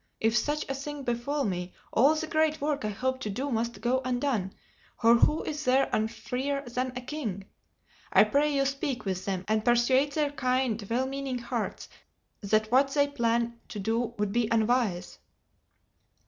If such a thing befall me, all the great work I hoped to do must go undone, for who is there unfreer than a king? I pray you speak with them and persuade their kind well meaning hearts that what they plan to do would be unwise."